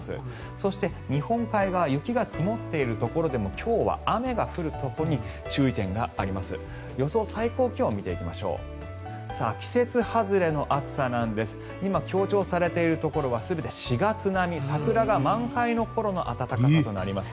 そして、日本海側雪が積もっているところでも今日は雨が降るところに注意点があります。